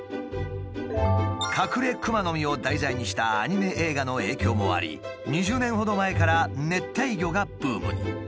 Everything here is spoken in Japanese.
カクレクマノミを題材にしたアニメ映画の影響もあり２０年ほど前から熱帯魚がブームに。